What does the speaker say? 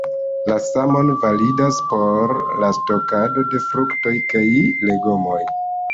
La samon validas por la stokado de fruktoj kaj legomoj.